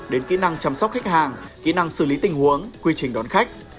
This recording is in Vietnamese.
đến kỹ năng chăm sóc khách hàng kỹ năng xử lý tình huống quy trình đón khách